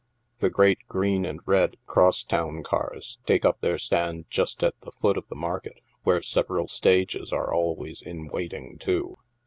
The great green and red " cross town" cars take up their stand just at the foot of the market, where several stages are always in waiting, too.